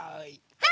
はい。